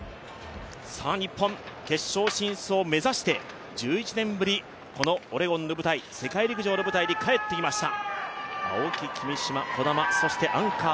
日本、決勝進出を目指して１１年ぶり、このオレゴンの舞台、世界陸上の舞台に帰ってきました。